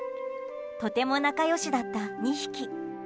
とても仲良しだった２匹。